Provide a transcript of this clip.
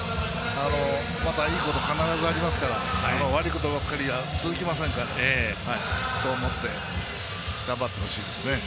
またいいこと必ずありますから悪いことばかり続きませんからそう思って頑張ってほしいですね。